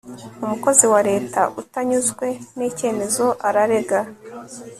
umukozi wa leta utanyuzwe n'icyemezo ararega